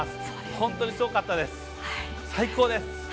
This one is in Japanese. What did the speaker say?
本当にすごかったです、最高です。